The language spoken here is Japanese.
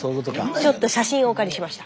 ちょっと写真をお借りしました。